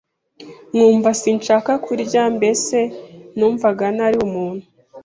nkumva sinshaka kurya, mbese numvaga ntari umuntu